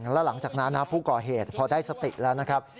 แล้วหลังจากนั้นผู้ก่อเหตุพอได้สติแล้วนะครับ